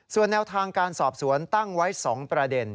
ส่วนแนวทางการสอบสวนตั้งไว้๒ประเด็น